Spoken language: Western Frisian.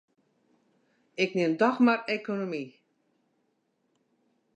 Ik nim dochs mar ekonomy.